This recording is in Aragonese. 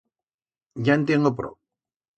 Ya en tiengo pro.